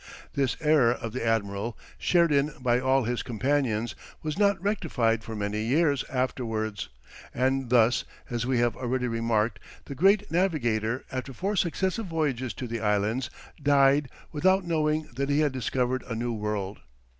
This error of the admiral, shared in by all his companions, was not rectified for many years afterwards, and thus, as we have already remarked, the great navigator after four successive voyages to the islands, died, without knowing that he had discovered a new world.